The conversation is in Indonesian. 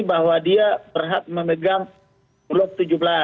bahwa dia berhak memegang bulog tujuh belas